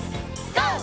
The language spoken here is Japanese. ＧＯ！